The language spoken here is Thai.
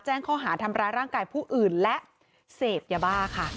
แจ้งข้อหาทำร้ายร่างกายผู้อื่นและเสพยาบ้าค่ะ